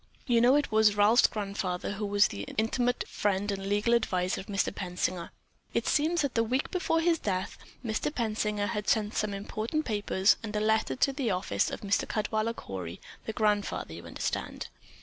You know it was Ralph's grandfather who was the intimate friend and legal advisor of Mr. Pensinger. "It seems that a week before his death, Mr. Pensinger had sent some important papers and a letter to the office of Mr. Caldwaller Cory, the grandfather, you understand.